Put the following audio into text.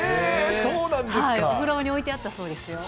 お風呂場に置いてあったそうですよ。